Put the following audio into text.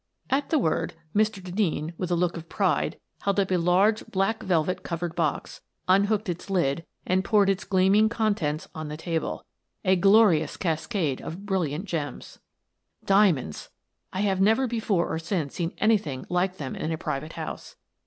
At the word, Mr. Denneen, with a look of pride, held up a large black velvet covered box, unhooked its lid, and poured its gleaming contents on the table : a glorious cascade of brilliant gems. Diamonds ! I have never before or since seen any thing like them in a private house.